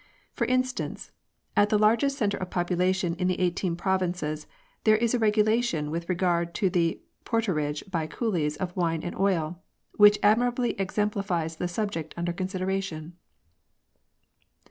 For instance, at the largest centre of population in the Eighteen Provinces, there is a regulation with regard to the porterage by coolies of wine and oil, which ad mirably exemplifies the subject under consideration.